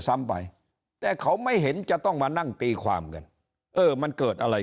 ซ้ำไปแต่เขาไม่เห็นจะต้องมานั่งตีความกันเออมันเกิดอะไร